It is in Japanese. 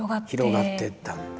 広がってったんだ。